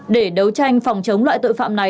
để đấu tranh phòng chống loại tội phạm này